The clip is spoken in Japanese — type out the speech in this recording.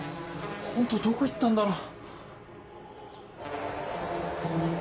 ホントどこ行ったんだろう。